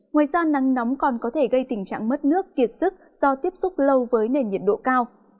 ngoài ra nắng nóng còn có thể gây tình trạng mất nước kiệt sức do tiếp xúc lâu với nền nhiệt độ cao